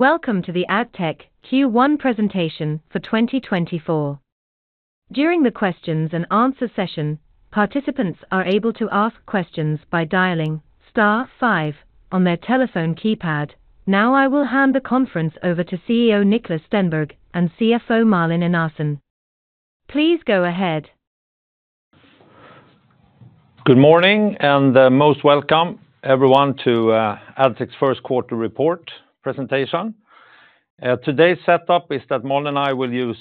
Welcome to the Addtech Q1 presentation for 2024. During the questions and answer session, participants are able to ask questions by dialing star five on their telephone keypad. Now, I will hand the conference over to CEO Niklas Stenberg, and CFO Malin Enarson. Please go ahead. Good morning, and most welcome everyone to Addtech's first quarter report presentation. Today's setup is that Malin and I will use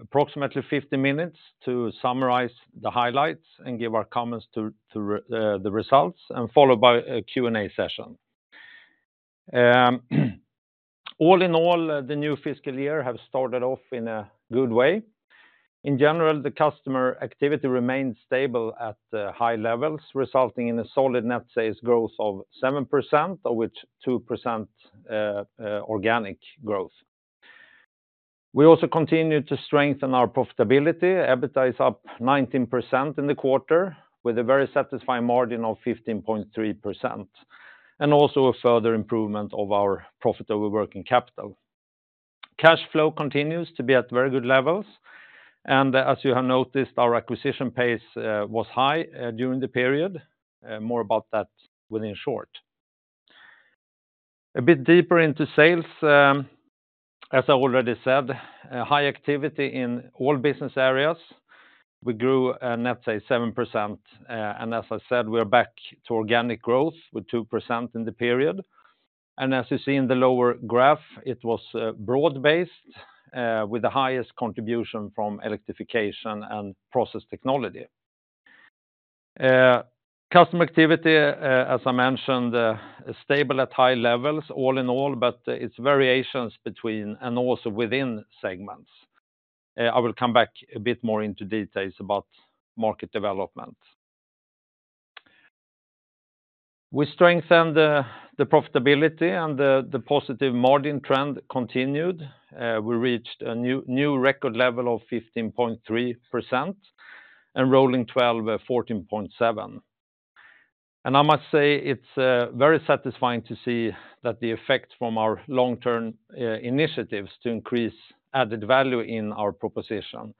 approximately 50 minutes to summarize the highlights and give our comments to the results, and followed by a Q&A session. All in all, the new fiscal year have started off in a good way. In general, the customer activity remains stable at high levels, resulting in a solid net sales growth of 7%, of which 2% organic growth. We also continued to strengthen our profitability. EBITDA is up 19% in the quarter, with a very satisfying margin of 15.3%, and also a further improvement of our profit over working capital. Cash flow continues to be at very good levels, and as you have noticed, our acquisition pace was high during the period. More about that within short. A bit deeper into sales, as I already said, a high activity in all business areas. We grew net sales 7%, and as I said, we are back to organic growth with 2% in the period. And as you see in the lower graph, it was broad-based with the highest contribution from Electrification and Process Technology. Customer activity, as I mentioned, is stable at high levels, all in all, but it's variations between and also within segments. I will come back a bit more into details about market development. We strengthened the profitability and the positive margin trend continued. We reached a new record level of 15.3%, and rolling 12 at 14.7. And I must say, it's very satisfying to see that the effect from our long-term initiatives to increase added value in our proposition,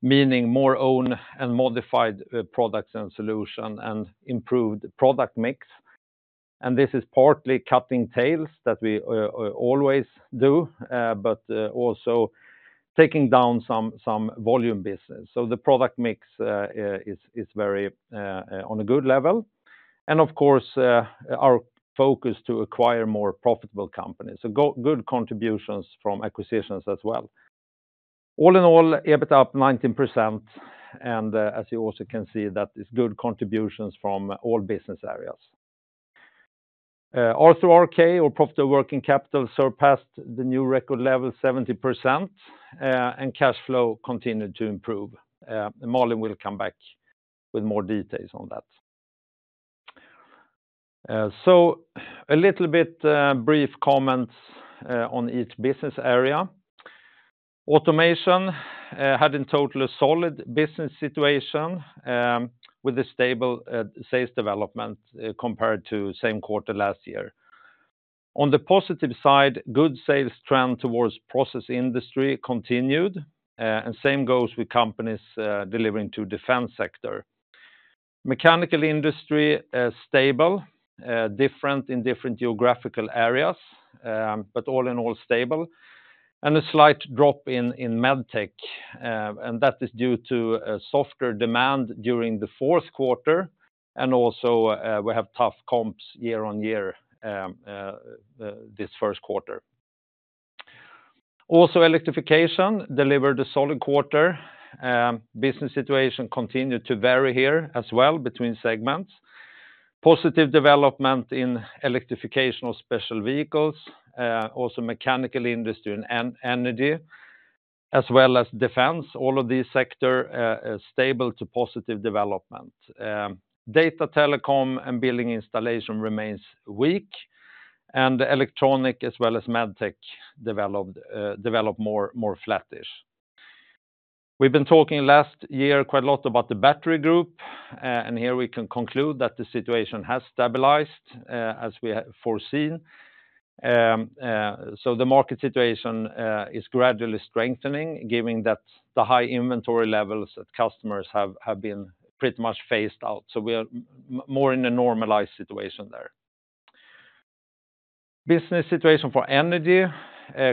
meaning more own and modified products and solution and improved product mix. And this is partly cutting tails that we always do, but also taking down some, some volume business. So the product mix is very on a good level. And of course, our focus to acquire more profitable companies. So good contributions from acquisitions as well. All in all, EBITDA up 19%, and as you also can see that it's good contributions from all business areas. Also, P/WC, or profit over working capital, surpassed the new record level, 70%, and cash flow continued to improve. Malin will come back with more details on that. So a little bit brief comments on each business area. Automation had in total a solid business situation with a stable sales development compared to same quarter last year. On the positive side, good sales trend towards process industry continued, and same goes with companies delivering to defense sector. Mechanical industry stable, different in different geographical areas, but all in all, stable, and a slight drop in MedTech, and that is due to a softer demand during the fourth quarter. And also we have tough comps year-on-year this first quarter. Also, Electrification delivered a solid quarter. Business situation continued to vary here as well between segments. Positive development in Electrification of special vehicles, also mechanical Industry and Energy, as well as defense. All of these sectors a stable to positive development. Data telecom and building installation remains weak, and the electronics as well as MedTech developed more flattish. We've been talking last year quite a lot about the battery group, and here we can conclude that the situation has stabilized as we had foreseen. So the market situation is gradually strengthening, giving that the high inventory levels that customers have have been pretty much phased out. So we are more in a normalized situation there. Business situation for energy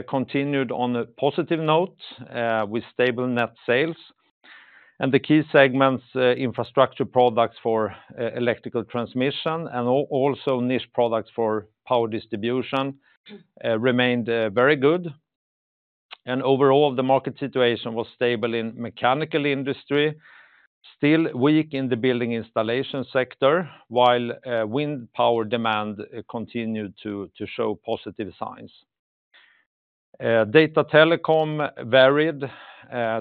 continued on a positive note with stable net sales, and the key segments infrastructure products for electrical transmission and also niche products for power distribution remained very good. Overall, the market situation was stable in the mechanical industry, still weak in the building installation sector, while wind power demand continued to show positive signs. Data telecom varied.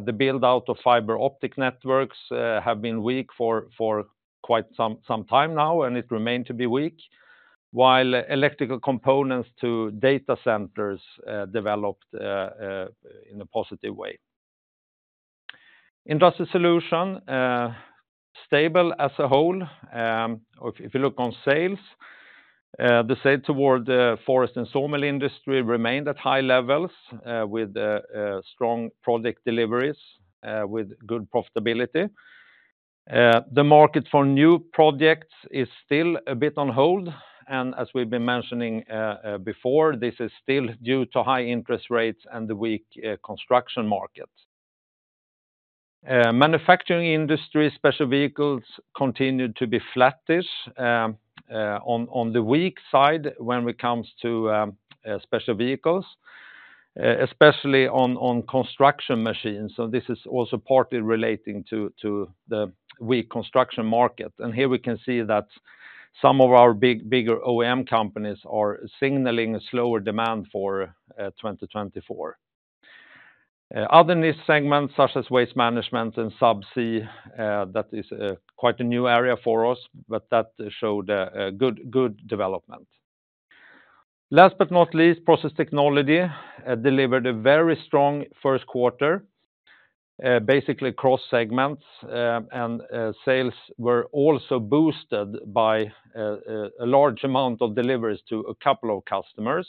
The build-out of fiber optic networks have been weak for quite some time now, and it remained to be weak, while electrical components to data centers developed in a positive way. Industrial Solutions, stable as a whole. Or if you look on sales, the sales toward the forest and sawmill industry remained at high levels, with strong project deliveries, with good profitability. The market for new projects is still a bit on hold, and as we've been mentioning, before, this is still due to high interest rates and the weak construction market. Manufacturing industry, special vehicles continued to be flattish, on the weak side when it comes to special vehicles, especially on construction machines. So this is also partly relating to the weak construction market. And here we can see that some of our bigger OEM companies are signaling a slower demand for 2024. Other niche segments, such as waste management and subsea, that is quite a new area for us, but that showed a good development. Last but not least, Process Technology delivered a very strong first quarter, basically across segments, and sales were also boosted by a large amount of deliveries to a couple of customers.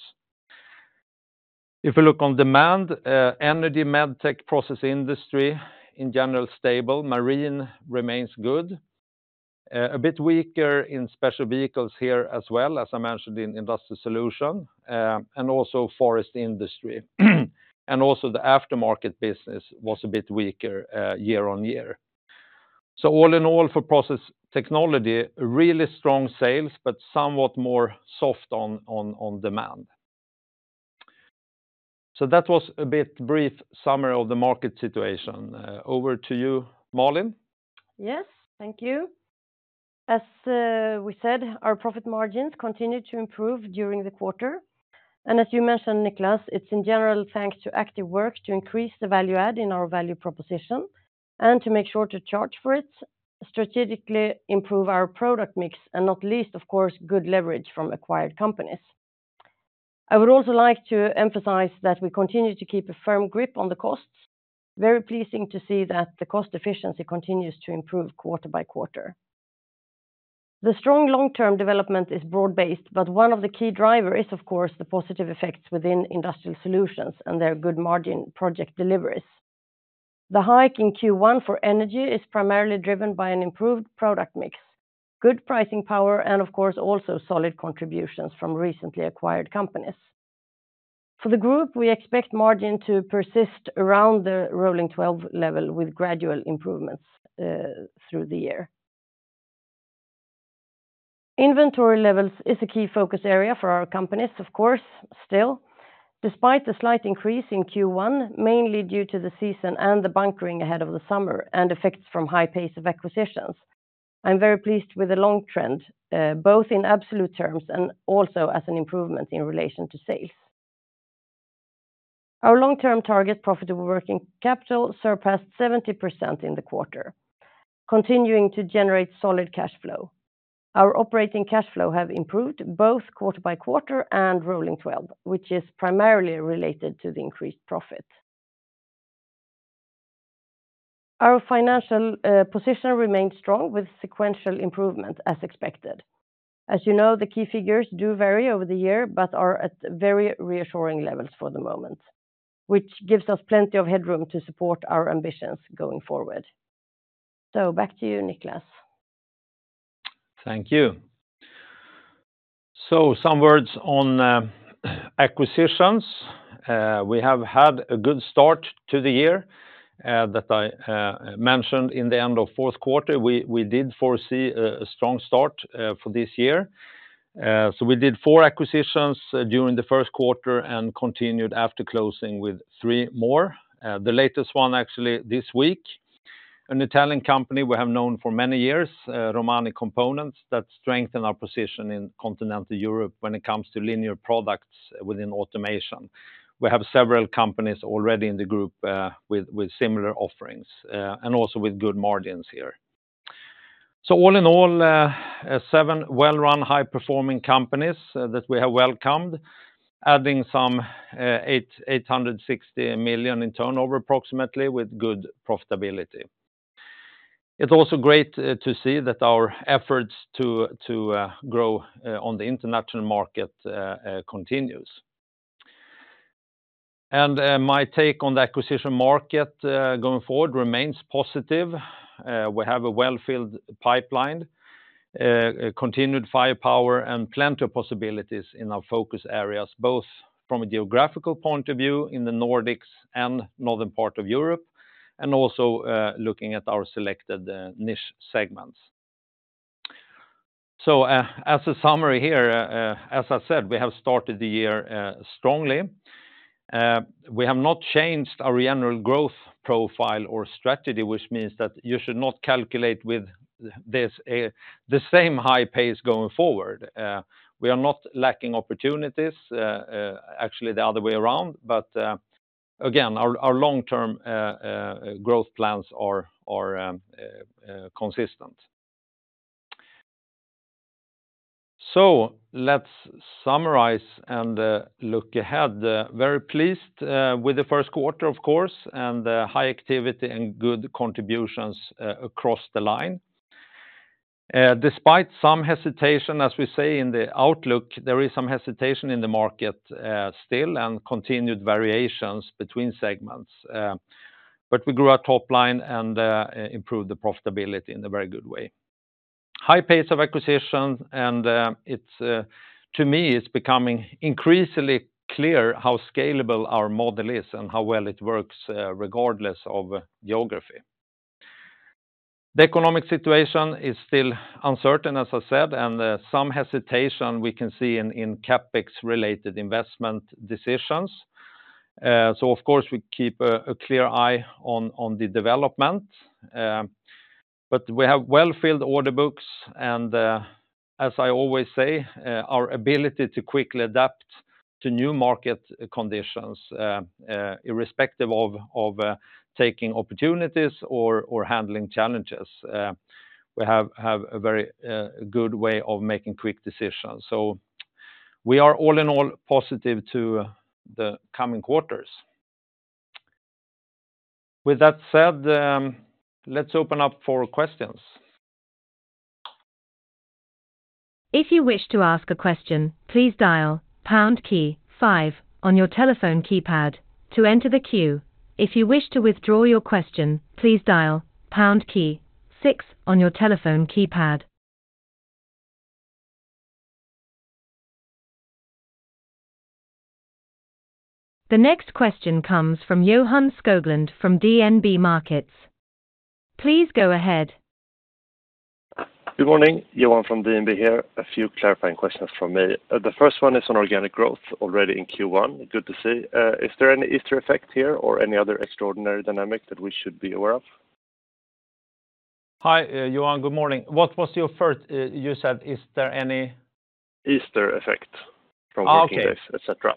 If you look on demand, energy, MedTech, process industry, in general, stable. Marine remains good. A bit weaker in special vehicles here as well, as I mentioned in Industrial Solutions, and also forest industry. And also, the aftermarket business was a bit weaker, year-on-year. So all in all, for Process Technology, really strong sales, but somewhat more soft on demand. So that was a bit brief summary of the market situation. Over to you, Malin. Yes, thank you. As we said, our profit margins continued to improve during the quarter, and as you mentioned, Niklas, it's in general, thanks to active work to increase the value add in our value proposition and to make sure to charge for it, strategically improve our product mix, and not least, of course, good leverage from acquired companies. I would also like to emphasize that we continue to keep a firm grip on the costs. Very pleasing to see that the cost efficiency continues to improve quarter by quarter. The strong long-term development is broad-based, but one of the key driver is, of course, the positive effects within Industrial Solutions and their good margin project deliveries. The hike in Q1 for energy is primarily driven by an improved product mix, good pricing power, and of course, also solid contributions from recently acquired companies. For the group, we expect margin to persist around the rolling twelve level, with gradual improvements, through the year. Inventory levels is a key focus area for our companies, of course, still, despite the slight increase in Q1, mainly due to the season and the bunkering ahead of the summer, and effects from high pace of acquisitions. I'm very pleased with the long trend, both in absolute terms and also as an improvement in relation to sales. Our long-term target, profitable working capital, surpassed 70% in the quarter, continuing to generate solid cash flow. Our operating cash flow have improved both quarter by quarter and rolling twelve, which is primarily related to the increased profit. Our financial, position remained strong, with sequential improvement as expected. As you know, the key figures do vary over the year, but are at very reassuring levels for the moment, which gives us plenty of headroom to support our ambitions going forward. So back to you, Niklas. Thank you. So some words on acquisitions. We have had a good start to the year, that I mentioned in the end of fourth quarter. We did foresee a strong start for this year. So we did four acquisitions during the first quarter and continued after closing with three more, the latest one, actually, this week. An Italian company we have known for many years, Romani Components, that strengthen our position in Continental Europe when it comes to linear products within automation. We have several companies already in the group, with similar offerings and also with good margins here. So all in all, seven well-run, high-performing companies that we have welcomed, adding some 860 million in turnover, approximately, with good profitability. It's also great to see that our efforts to grow on the international market continues. And my take on the acquisition market going forward remains positive. We have a well-filled pipeline, a continued firepower, and plenty of possibilities in our focus areas, both from a geographical point of view in the Nordics and northern part of Europe, and also looking at our selected niche segments. So as a summary here, as I said, we have started the year strongly. We have not changed our general growth profile or strategy, which means that you should not calculate with this the same high pace going forward. We are not lacking opportunities, actually, the other way around. But again, our long-term growth plans are consistent. So let's summarize and look ahead. Very pleased with the first quarter, of course, and high activity and good contributions across the line. Despite some hesitation, as we say, in the outlook, there is some hesitation in the market still, and continued variations between segments. But we grew our top line and improved the profitability in a very good way. High pace of acquisition, and it's to me, it's becoming increasingly clear how scalable our model is and how well it works regardless of geography. The economic situation is still uncertain, as I said, and some hesitation we can see in CapEx-related investment decisions. So, of course, we keep a clear eye on the development. But we have well-filled order books and, as I always say, our ability to quickly adapt to new market conditions, irrespective of taking opportunities or handling challenges, we have a very good way of making quick decisions. So we are all in all, positive to the coming quarters. With that said, let's open up for questions. If you wish to ask a question, please dial pound key five on your telephone keypad to enter the queue. If you wish to withdraw your question, please dial pound key six on your telephone keypad. The next question comes from Johan Skoglund from DNB Markets. Please go ahead. Good morning, Johan from DNB here. A few clarifying questions from me. The first one is on organic growth already in Q1. Good to see. Is there any Easter effect here or any other extraordinary dynamic that we should be aware of? Hi, Johan. Good morning. What was your first—you said, is there any? Easter effect- Okay. From working days, et cetera.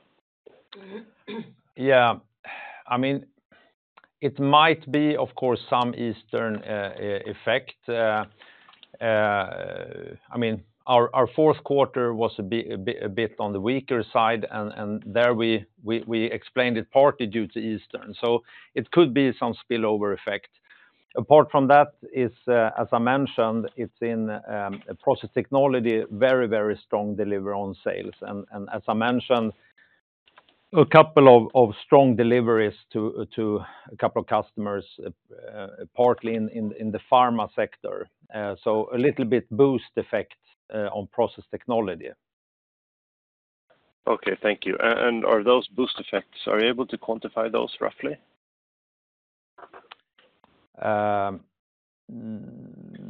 Yeah. I mean, it might be, of course, some Eastern effect. I mean, our fourth quarter was a bit on the weaker side, and there we explained it partly due to Eastern, so it could be some spillover effect. Apart from that, as I mentioned, it's in Process Technology, very strong delivery on sales. And as I mentioned, a couple of strong deliveries to a couple of customers, partly in the pharma sector. So a little bit boost effect on Process Technology. Okay, thank you. And are those boost effects, are you able to quantify those roughly?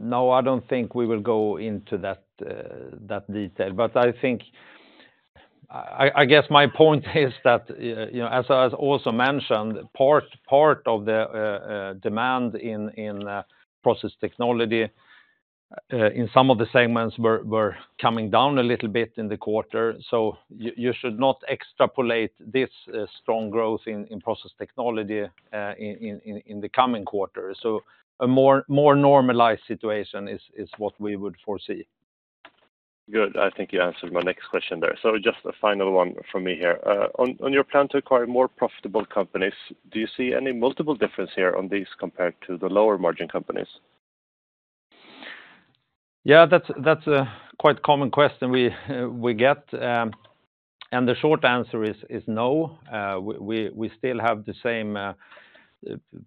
No, I don't think we will go into that detail. But I think... I guess my point is that, you know, as I also mentioned, part of the demand in Process Technology in some of the segments were coming down a little bit in the quarter. So you should not extrapolate this strong growth in Process Technology in the coming quarter. So a more normalized situation is what we would foresee. Good. I think you answered my next question there. So just a final one from me here. On your plan to acquire more profitable companies, do you see any multiple difference here on these compared to the lower margin companies? Yeah, that's, that's a quite common question we, we get. And the short answer is, is no. We, we still have the same,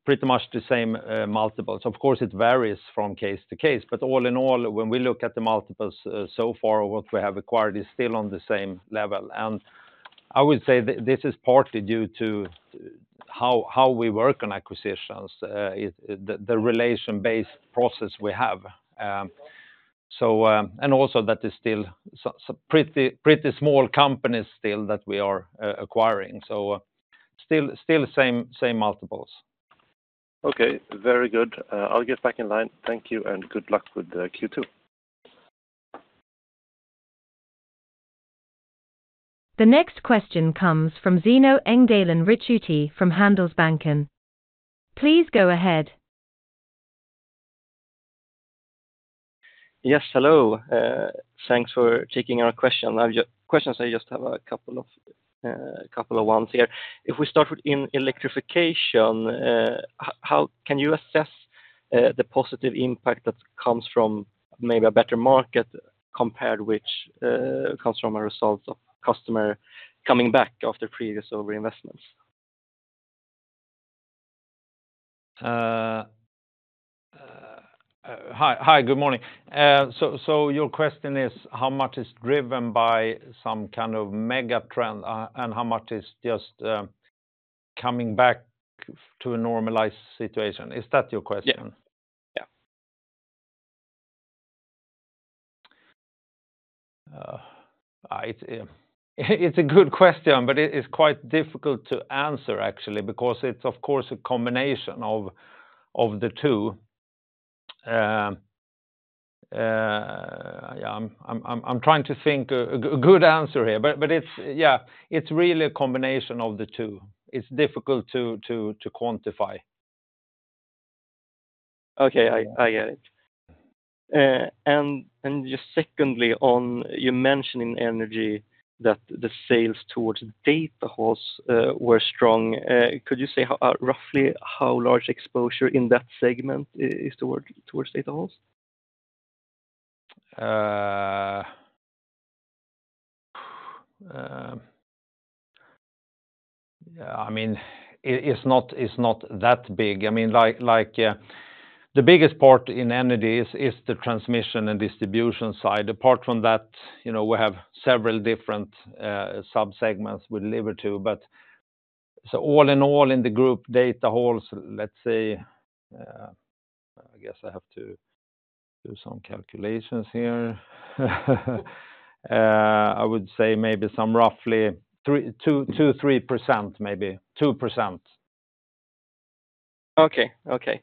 pretty much the same, multiples. Of course, it varies from case to case, but all in all, when we look at the multiples, so far, what we have acquired is still on the same level. And I would say this is partly due to how we work on acquisitions, the relation-based process we have. So, and also that is still pretty, pretty small companies still that we are acquiring, so still, still the same, same multiples. Okay, very good. I'll get back in line. Thank you, and good luck with Q2. The next question comes from Zino Engdalen Ricciuti from Handelsbanken. Please go ahead. Yes, hello. Thanks for taking our question. I've questions, I just have a couple of, couple of ones here. If we start with in Electrification, how can you assess the positive impact that comes from maybe a better market compared which comes from a result of customer coming back after previous overinvestments? Hi, good morning. So, your question is, how much is driven by some kind of mega trend, and how much is just coming back to a normalized situation? Is that your question? Yeah. Yeah. It's a good question, but it is quite difficult to answer, actually, because it's, of course, a combination of the two. Yeah, I'm trying to think a good answer here, but it's... yeah, it's really a combination of the two. It's difficult to quantify. Okay, I get it. And just secondly, on you mentioning energy that the sales towards data halls were strong. Could you say how, roughly, how large exposure in that segment is towards data halls? Yeah, I mean, it's not that big. I mean, like, the biggest part in Energy is the transmission and distribution side. Apart from that, you know, we have several different sub-segments we deliver to, but so all in all, in the group data halls, let's say, I guess I have to do some calculations here. I would say maybe some roughly 2%-3%, maybe 2%. Okay. Okay.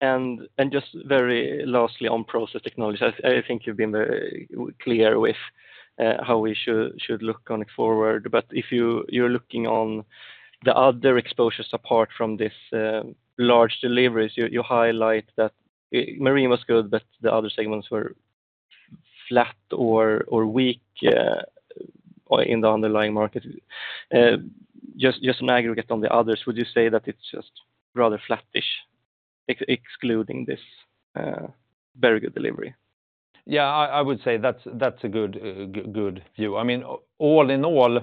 And just very lastly, on Process Technology, I think you've been very clear with how we should look on it forward. But if you're looking on the other exposures apart from this large deliveries, you highlight that marine was good, but the other segments were flat or weak or in the underlying market. Just an aggregate on the others, would you say that it's just rather flattish, excluding this very good delivery? Yeah, I, I would say that's, that's a good, good view. I mean, all in all,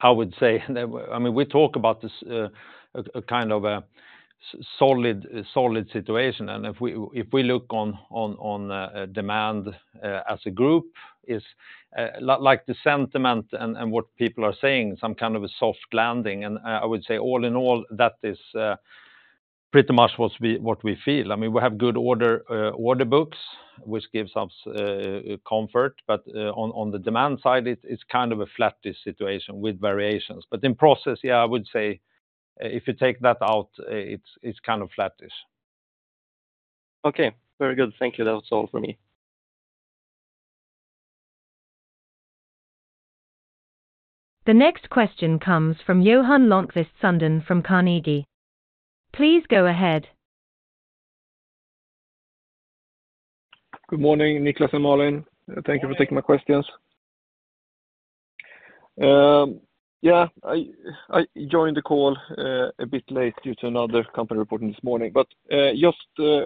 I would say, I mean, we talk about this, a kind of a solid, solid situation, and if we, if we look on, on, on, demand, as a group, is, like, like the sentiment and, and what people are saying, some kind of a soft landing. And, I would say, all in all, that is, pretty much what we, what we feel. I mean, we have good order, order books, which gives us, comfort, but, on, on the demand side, it's, it's kind of a flattish situation with variations. But in process, yeah, I would say, if you take that out, it's, it's kind of flattish. Okay, very good. Thank you. That was all for me. The next question comes from Johan Lönnqvist from Carnegie. Please go ahead. Good morning, Niklas and Malin. Thank you for taking my questions. Yeah, I joined the call a bit late due to another company reporting this morning, but just to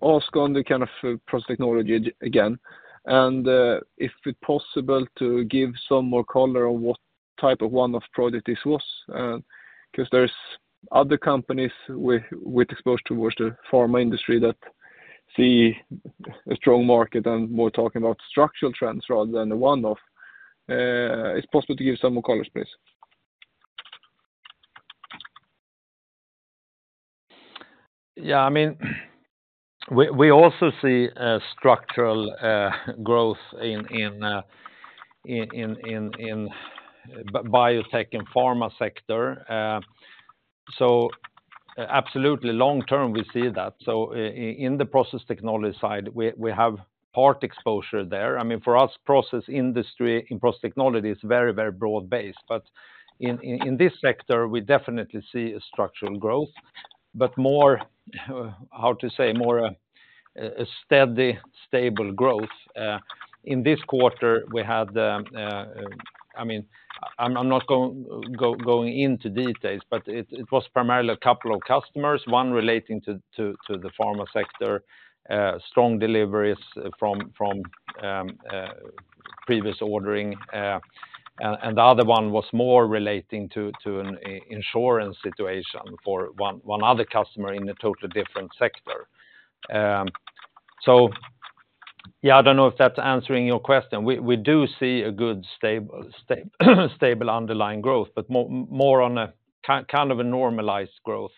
ask on the kind of Process Technology again, and if it's possible to give some more color on what type of one-off project this was, 'cause there's other companies with exposure towards the pharma industry that see a strong market and more talking about structural trends rather than the one-off. It's possible to give some more colors, please. Yeah, I mean, we also see a structural growth in biotech and pharma sector. So absolutely long term, we see that. So in the Process Technology side, we have part exposure there. I mean, for us, process industry in Process Technology is very, very broad-based, but in this sector, we definitely see a structural growth, but more, how to say, more a steady, stable growth. In this quarter, we had the... I mean, I'm not going into details, but it was primarily a couple of customers, one relating to the pharma sector, strong deliveries from previous ordering, and the other one was more relating to an insurance situation for one other customer in a totally different sector. So, yeah, I don't know if that's answering your question. We do see a good, stable, underlying growth, but more on a kind of a normalized growth.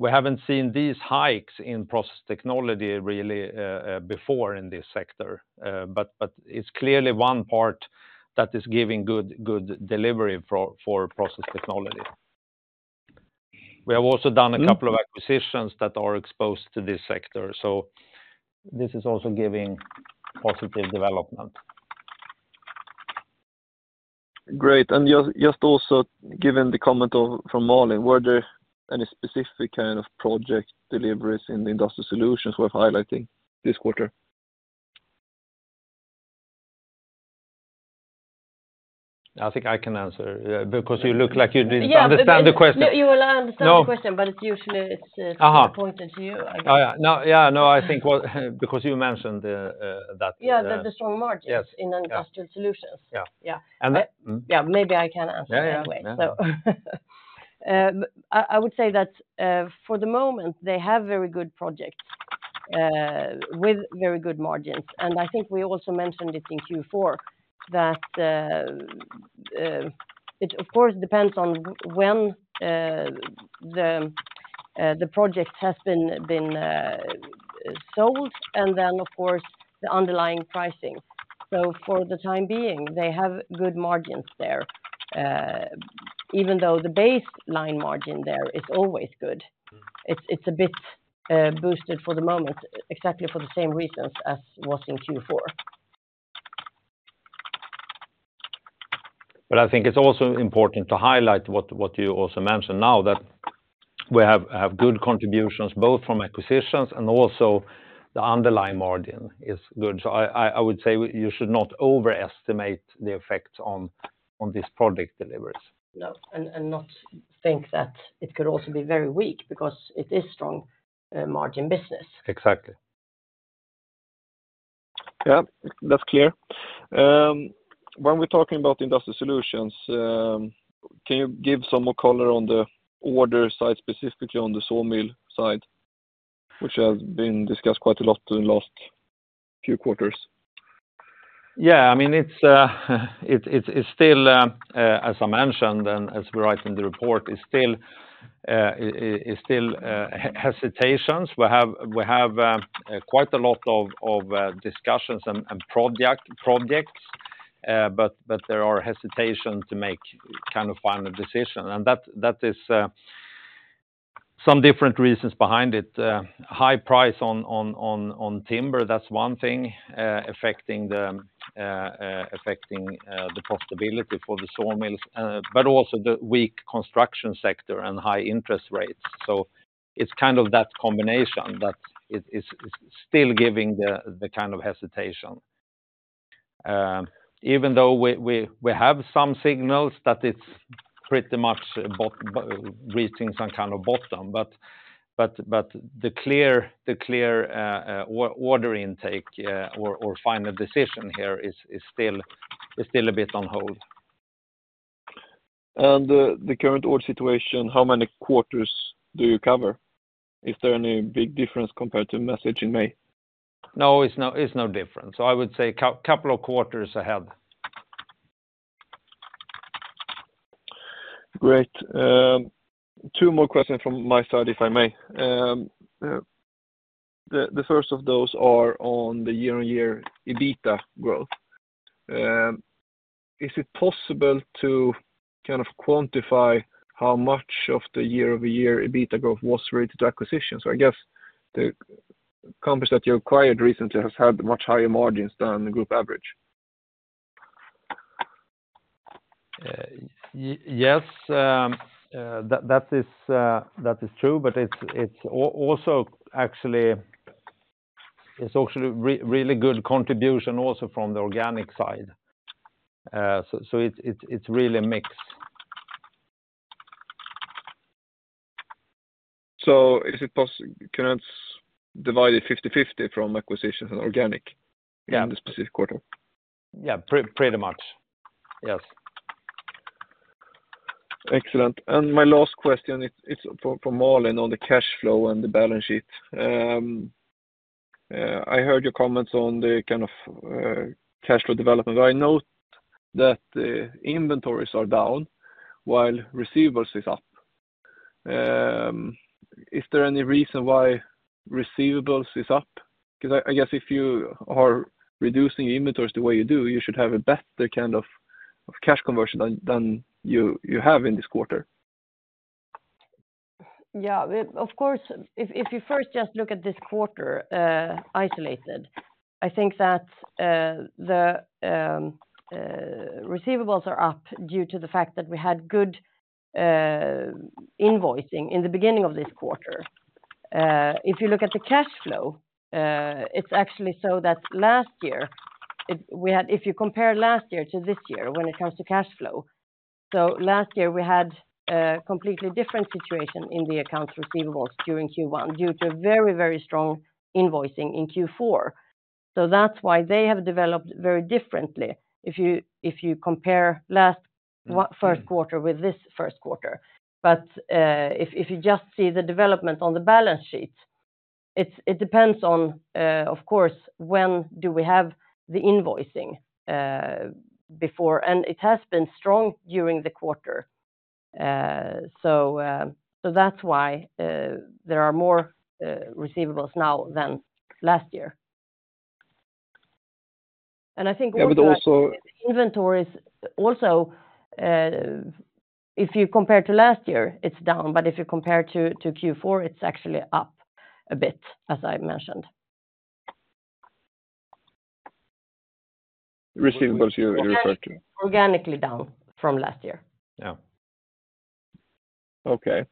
We haven't seen these hikes in Process Technology really before in this sector, but it's clearly one part that is giving good delivery for Process Technology. We have also done a couple of acquisitions that are exposed to this sector, so this is also giving positive development. Great. And just, just also given the comment of, from Malin, were there any specific kind of project deliveries in the Industrial Solutions worth highlighting this quarter? I think I can answer, because you look like you didn't- Yeah... understand the question. No, you will understand- No... the question, but it's usually, it's Uh-huh... important to you, I guess. Oh, yeah. No, yeah, no, I think what, because you mentioned the, that- Yeah, the strong margins- Yes... in Industrial Solutions. Yeah. Yeah. And that- Yeah, maybe I can answer- Yeah, yeah... anyway. So, I would say that, for the moment, they have very good projects, with very good margins. And I think we also mentioned it in Q4, that, it, of course, depends on when the project has been sold, and then, of course, the underlying pricing. So for the time being, they have good margins there. Even though the baseline margin there is always good, it's a bit boosted for the moment, exactly for the same reasons as was in Q4.... But I think it's also important to highlight what you also mentioned now, that we have good contributions, both from acquisitions and also the underlying margin is good. So I would say you should not overestimate the effect on this project deliveries. No, not think that it could also be very weak because it is strong margin business. Exactly. Yeah, that's clear. When we're talking about Industrial Solutions, can you give some more color on the order side, specifically on the sawmill side, which has been discussed quite a lot in the last few quarters? Yeah, I mean, it's still as I mentioned, and as we write in the report, it's still hesitations. We have quite a lot of discussions and projects, but there are hesitation to make kind of final decision, and that is some different reasons behind it. High price on timber, that's one thing, affecting the profitability for the sawmills, but also the weak construction sector and high interest rates. So it's kind of that combination that it is still giving the kind of hesitation. Even though we have some signals that it's pretty much reaching some kind of bottom, but the clear order intake or final decision here is still a bit on hold. The current order situation, how many quarters do you cover? Is there any big difference compared to message in May? No, it's no different. So I would say couple of quarters ahead. Great. Two more questions from my side, if I may. The first of those are on the year-on-year EBITDA growth. Is it possible to kind of quantify how much of the year-over-year EBITDA growth was related to acquisitions? So I guess the companies that you acquired recently has had much higher margins than the group average. Yes, that is true, but it's also actually, it's also really good contribution also from the organic side. So, it's really a mix. So is it possible. Can I divide it 50/50 from acquisitions and organic- Yeah. in this specific quarter? Yeah, pretty much. Yes. Excellent. And my last question is for Malin on the cash flow and the balance sheet. I heard your comments on the kind of cash flow development. I note that the inventories are down, while receivables is up. Is there any reason why receivables is up? Because I guess if you are reducing inventories the way you do, you should have a better kind of cash conversion than you have in this quarter. Yeah, of course, if, if you first just look at this quarter, isolated, I think that, the, receivables are up due to the fact that we had good, invoicing in the beginning of this quarter. If you look at the cash flow, it's actually so that last year, it-- we had-- If you compare last year to this year when it comes to cash flow, so last year we had a completely different situation in the accounts receivables during Q1, due to a very, very strong invoicing in Q4. So that's why they have developed very differently if you, if you compare last what- First quarter with this first quarter. But if you just see the development on the balance sheet, it's. It depends on, of course, when do we have the invoicing before? And it has been strong during the quarter. So that's why there are more receivables now than last year. And I think we would- But also- Inventories also, if you compare to last year, it's down, but if you compare to Q4, it's actually up a bit, as I mentioned. Receivables, you, you referred to. Organically down from last year. Yeah. Okay.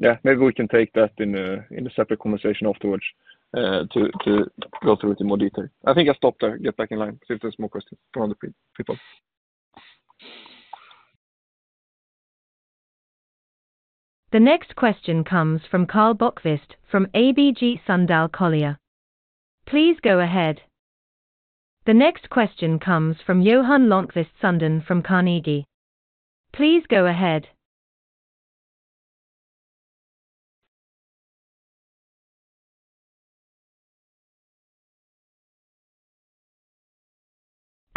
Yeah, maybe we can take that in a separate conversation afterwards, to go through it in more detail. I think I'll stop there, get back in line, see if there's more questions from the people. The next question comes from Karl Bokvist from ABG Sundal Collier. Please go ahead. The next question comes from Johan Lönnqvist from Carnegie. Please go ahead.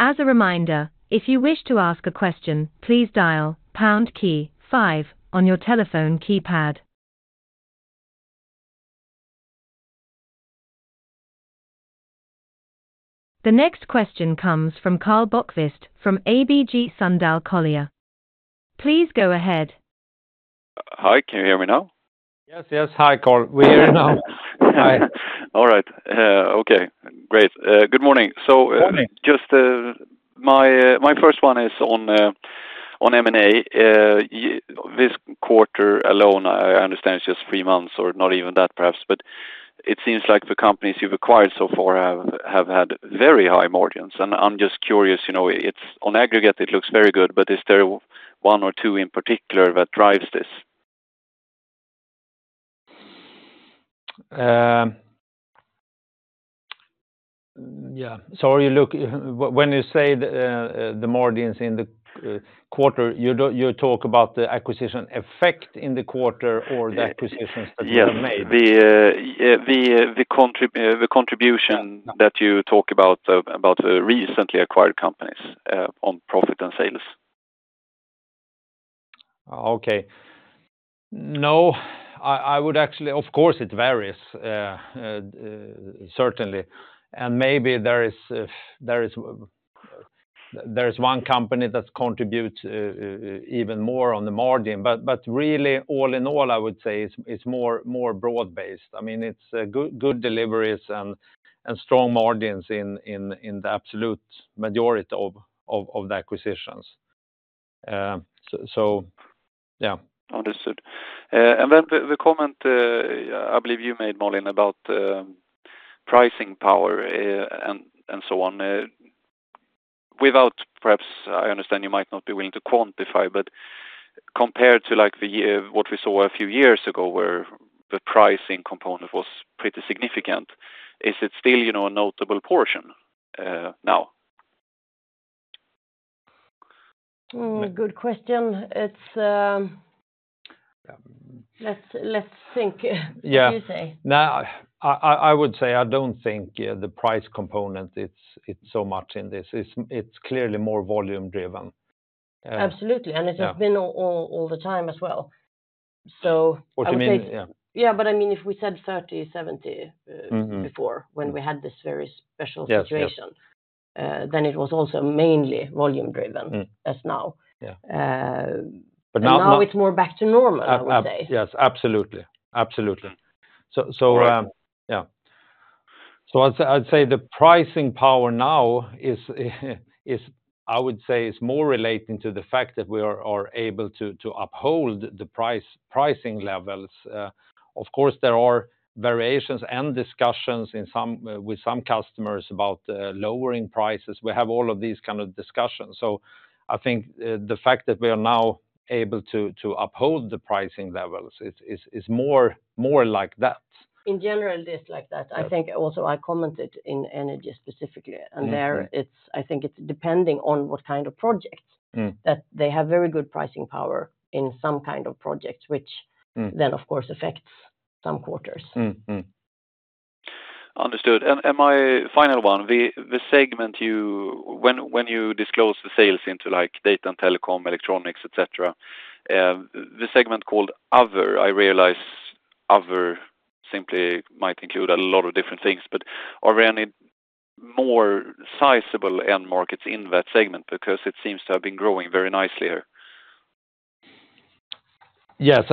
As a reminder, if you wish to ask a question, please dial pound key five on your telephone keypad. The next question comes from Karl Bokvist from ABG Sundal Collier. Please go ahead.... Hi, can you hear me now? Yes, yes. Hi, Karl, we hear you now. Hi. All right. Okay, great. Good morning. So- Good morning. Just, my first one is on M&A. This quarter alone, I understand it's just three months or not even that perhaps, but it seems like the companies you've acquired so far have had very high margins, and I'm just curious, you know, it's... On aggregate, it looks very good, but is there one or two in particular that drives this? Yeah. So when you say the margins in the quarter, you talk about the acquisition effect in the quarter or the acquisitions that you made? Yeah. The contribution that you talk about recently acquired companies on profit and sales. Okay. No, I would actually... Of course, it varies, certainly, and maybe there is one company that contributes even more on the margin. But really, all in all, I would say it's more broad-based. I mean, it's good deliveries and strong margins in the absolute majority of the acquisitions. So yeah. Understood. And then the comment I believe you made, Malin, about pricing power, and so on. Without perhaps... I understand you might not be willing to quantify, but compared to, like, the what we saw a few years ago, where the pricing component was pretty significant, is it still, you know, a notable portion, now? Mm. Good question. It's, Yeah. Let's, let's think. Yeah. What do you say? Now, I would say, I don't think the price component, it's so much in this. It's clearly more volume driven. Absolutely. Yeah. It has been all the time as well. So- What you mean? Yeah. Yeah, but, I mean, if we said 30, 70- Mm-hmm... before, when we had this very special situation- Yes, yes... then it was also mainly volume driven- Mm... as now. Yeah. Uh- But now- Now it's more back to normal, I would say. Yes, absolutely. Absolutely. So, so, Great... yeah. So I'd say the pricing power now is, I would say, more relating to the fact that we are able to uphold the pricing levels. Of course, there are variations and discussions with some customers about lowering prices. We have all of these kind of discussions. So I think the fact that we are now able to uphold the pricing levels is more like that. In general, it is like that. Yeah. I think also I commented in energy specifically- Mm-hmm... and there, it's, I think it's depending on what kind of project- Mm... that they have very good pricing power in some kind of projects, which- Mm... then, of course, affects some quarters. Mm-hmm. Understood. And my final one, the segment you... When you disclose the sales into, like, data and telecom, electronics, et cetera, the segment called other, I realize other simply might include a lot of different things, but are there any more sizable end markets in that segment? Because it seems to have been growing very nicely here. Yes,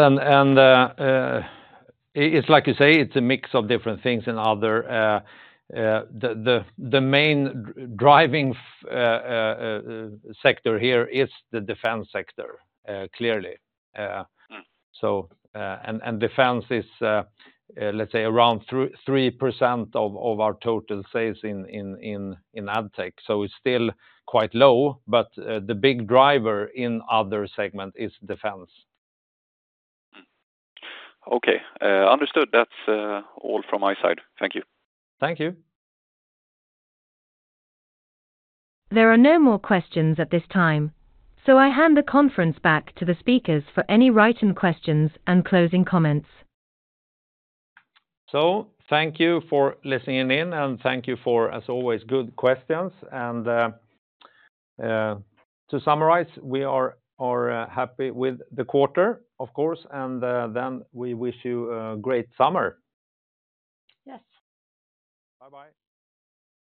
it's like you say, it's a mix of different things in other. The main driving sector here is the defense sector, clearly. Mm. So, defense is, let's say, around 3% of our total sales in Addtech, so it's still quite low, but the big driver in other segment is defense. Mm. Okay, understood. That's, all from my side. Thank you. Thank you. There are no more questions at this time, so I hand the conference back to the speakers for any written questions and closing comments. So thank you for listening in, and thank you for, as always, good questions. And, to summarize, we are happy with the quarter, of course, and, then we wish you a great summer. Yes. Bye-bye.